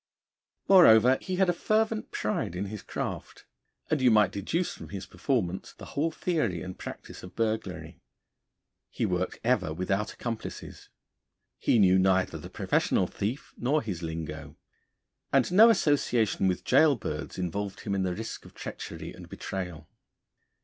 Moreover, he had a fervent pride in his craft; and you might deduce from his performance the whole theory and practice of burglary. He worked ever without accomplices. He knew neither the professional thief nor his lingo; and no association with gaol birds involved him in the risk of treachery and betrayal.